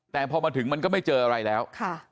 แต่พอมาถึงมันก็ไม่เจออะไรแล้ว